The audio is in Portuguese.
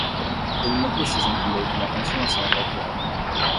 Ele não precisa entender como a transformação é calculada.